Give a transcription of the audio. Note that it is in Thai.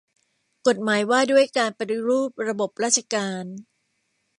กฎหมายว่าด้วยการปฏิรูประบบราชการ